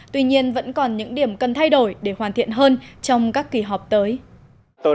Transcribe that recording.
tuy nhiên vẫn còn những điểm cần thay đổi để hoàn thiện hơn trong các kỳ họp tới